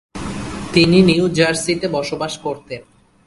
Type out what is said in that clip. তিনি নিউ জার্সিতে বসবাস করতেন।